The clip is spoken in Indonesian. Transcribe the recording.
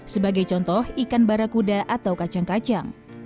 sebagai contoh ikan barakuda atau kacang kacang